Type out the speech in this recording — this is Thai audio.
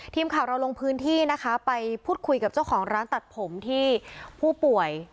ทีมข่าวเราลงพื้นที่นะคะไปพูดคุยกับเจ้าของร้านตัดผมที่ผู้ป่วย